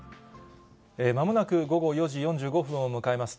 まもなく午後４時４５分を迎えます。